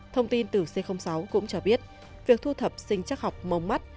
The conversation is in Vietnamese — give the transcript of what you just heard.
thông tin từ c sáu cũng cho biết việc thu thập sinh chắc học mông mắt